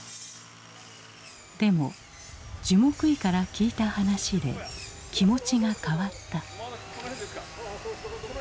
でも樹木医から聞いた話で気持ちが変わった。